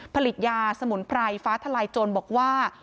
ผลิตยาสมุนไพรฟ้าทลายโจรบอกว่า